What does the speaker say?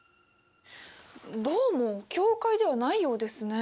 どうも境界ではないようですね。